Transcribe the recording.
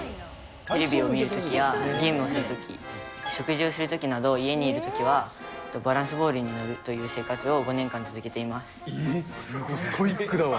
テレビを見るときやゲームをするとき、食事をするときなど、家にいるときはバランスボールに乗るという生活を５年間続けていストイックだわ。